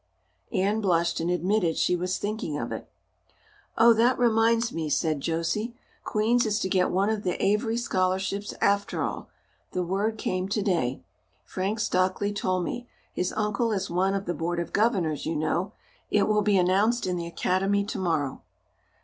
Anne blushed and admitted she was thinking of it. "Oh, that reminds me," said Josie, "Queen's is to get one of the Avery scholarships after all. The word came today. Frank Stockley told me his uncle is one of the board of governors, you know. It will be announced in the Academy tomorrow."